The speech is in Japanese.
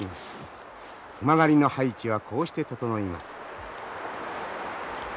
熊狩りの配置はこうして整います。